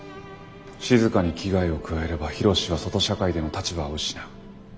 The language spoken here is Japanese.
しずかに危害を加えれば緋炉詩は外社会での立場を失う。